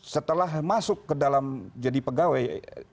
setelah masuk ke dalam jadi pegawai